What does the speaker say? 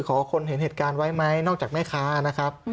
ขอคนเห็นเหตุการณ์ไว้ไหมนอกจากแม่ค้านะครับ